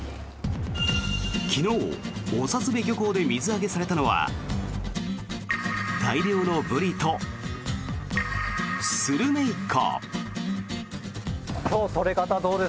昨日尾札部漁港で水揚げされたのは大量のブリとスルメイカ。